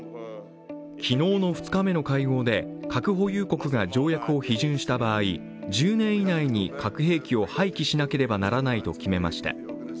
昨日の２日目の会合で核保有国が条約を批准した場合１０年以内に核兵器を廃棄しなければならないと決めました。